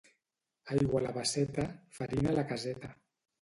Aigua a la basseta, farina a la caseta.